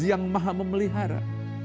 yang maha memelihara